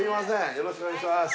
よろしくお願いします